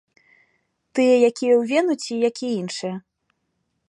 Тыя, якія ў вену, ці якія іншыя?